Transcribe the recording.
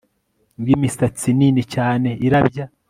yimisatsi nini cyane irabya